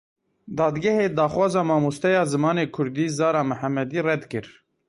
Dadgehê daxwaza mamosteya zimanê kurdî Zara Mihemedî red kir.